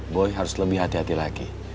boy harus lebih hati hati lagi